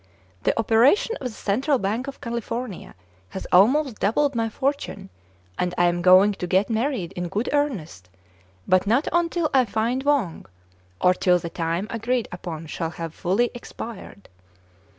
" The opera tion of the Central Bank in California has almost doubled my fortune ; and I am going to get mar ried in good earnest, but not until I find Wang, or till the time agreed upon shall have fully expired."